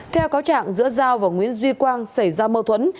theo cáo trạng giữa giao và nguyễn duy quang xảy ra mâu thuẫn